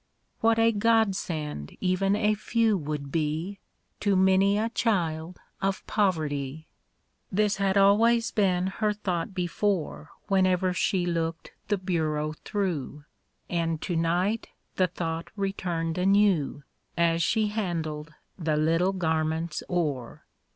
What a godsend even a few would be, To many a child of poverty ! This had always been her thought before Whenever she looked the bureau through ; And to night the thought returned anew, As she handled the little garments o'er.